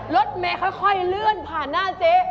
รถเมย์ค่อยเลื่อนผ่านหน้าเจ๊